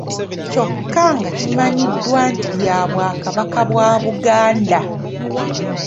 Kyokka nga kimanyiddwa nti lya Bwakabaka bwa Buganda.